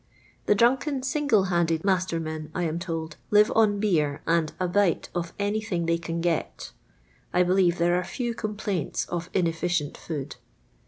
The drunken single handed master men, I am told, live on beer and " a bite of any thing they can get" I believe there are few complaints of inefficient food.